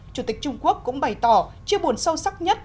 chủ tịch trung quốc cũng bày tỏ chiêu buồn sâu sắc nhất